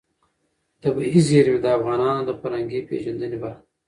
طبیعي زیرمې د افغانانو د فرهنګي پیژندنې برخه ده.